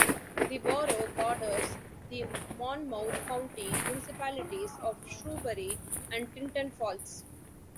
The borough borders the Monmouth County municipalities of Shrewsbury and Tinton Falls.